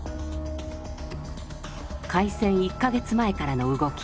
開戦１か月前からの動き。